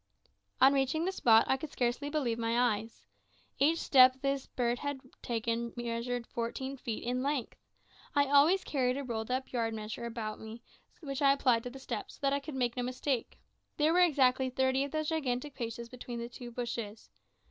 On reaching the spot I could scarcely believe my eyes. Each step this bird had taken measured fourteen feet in length! I always carried a rolled up yard measure about with me, which I applied to the steps, so that I could make no mistake. There were exactly thirty of those gigantic paces between the two bushes.